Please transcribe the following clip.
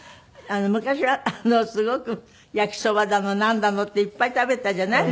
昔はすごく焼きそばだのなんだのっていっぱい食べたじゃない。